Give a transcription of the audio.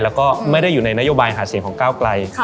แล้วก็ไม่ได้อยู่ในนโยบายหาเสียงของก้าวไกล